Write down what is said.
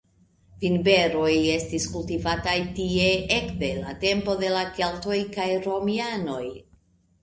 Vinberoj estis kultivataj tie ekde la tempo de la keltoj kaj Romianoj.